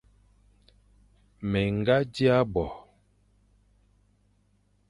Mé ñga dia bo,